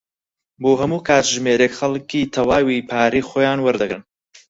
بۆ هەموو کاتژمێرێک خەڵکی تەواوی پارەی خۆیان وەردەگرن.